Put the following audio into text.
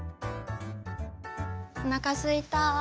おなかすいた。